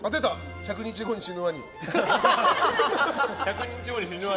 １００日後に死ぬワニ。